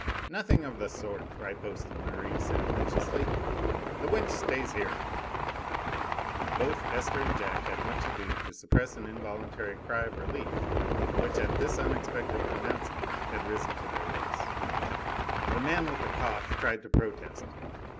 "Nothing of the sort!" riposted Merri sententiously. "The wench stays here!" Both Esther and Jack had much ado to suppress an involuntary cry of relief, which at this unexpected pronouncement had risen to their lips. The man with the cough tried to protest.